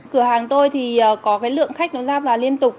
cửa hàng tôi thì có cái lượng khách nó ra vào liên tục